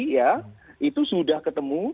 ya itu sudah ketemu